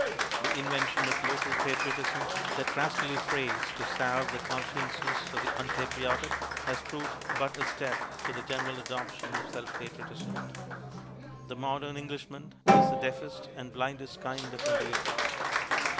The invention of local patriotism that rascally phrase to salve the consciences of the unpatriotic has proved but a step to the general adoption of self patriotism. The modern Englishman is the deafest and blindest kind of individualist.